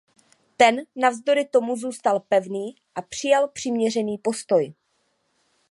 Ten navzdory tomu zůstal pevný a přijal přiměřený postoj.